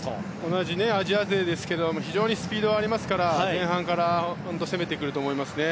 同じアジア勢ですけど非常にスピードありますから前半から攻めてくると思いますね。